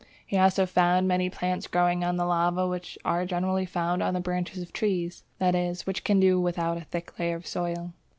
He also found many plants growing on the lava which are generally found on the branches of trees, that is, which can do without a thick layer of soil.